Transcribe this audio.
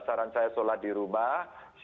saran saya sholat di rumah